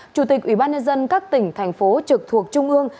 chủ tịch ủy ban nhân dân các tỉnh thành phố trực thuộc trung ương